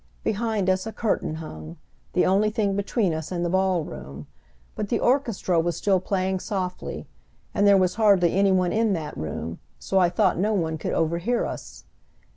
Behind us a curtain hung, the only thing between us and the ball room, but the orchestra was still playing softly and there was hardly any one in that room, so I thought no one could overhear us.